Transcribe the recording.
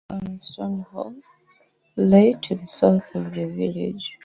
Ormiston Hall lay to the south of the village.